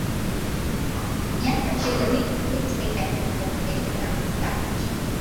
miaka ishirini iliyopita iliahidi kuwapeleka katika nchi